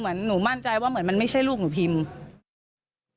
เหมือนหนูมั่นใจว่าเหมือนมันไม่ใช่ลูกหนูพิมพ์